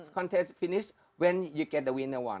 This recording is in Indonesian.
contes selesai ketika anda mendapatkan pemenangnya kan